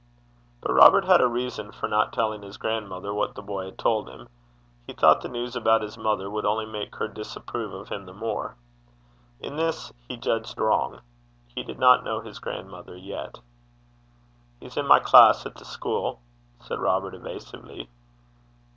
But Robert had a reason for not telling his grandmother what the boy had told him: he thought the news about his mother would only make her disapprove of him the more. In this he judged wrong. He did not know his grandmother yet. 'He's in my class at the schuil,' said Robert, evasively.